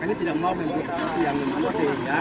kami tidak mau membuat sesuatu yang membuatnya